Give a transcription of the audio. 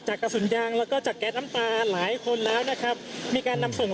กระสุนยางแล้วก็จากแก๊สน้ำตาหลายคนแล้วนะครับมีการนำส่ง